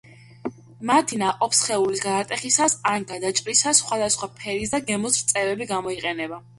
მათი ნაყოფსხეულის გადატეხისას ან გადაჭრისას სხვადასხვა ფერის და გემოს რძეწვენი გამოიყოფა.